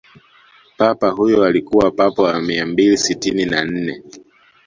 papa huyo alikuwa papa wa mia mbili sitini na nne